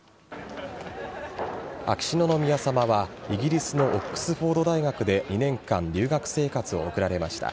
秋篠宮さまはイギリスのオックスフォード大学で２年間、留学生活を送られました。